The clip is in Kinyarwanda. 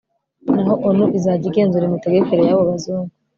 naho onu izajya igenzura imitegekere y'abo bazungu